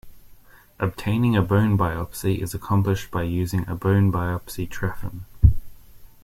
Obtaining a bone biopsy is accomplished by using a bone biopsy trephine.